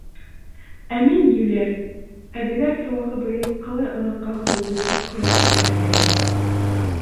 — Ә мин, йүләр, әбейҙәр сыуағы быйыл ҡалай оҙаҡҡа һуҙылды, тип ҡояшты әрләйем.